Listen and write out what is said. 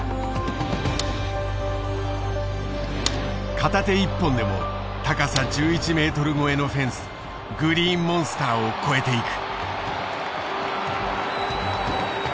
片手一本でも高さ１１メートル超えのフェンスグリーンモンスターを越えていく。